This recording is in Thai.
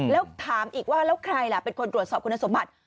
แล้วถามอีกว่าแล้วใครล่ะเป็นคนตรวจสอบคุณสมบัติ